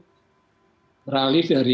berarti itu berarti berarti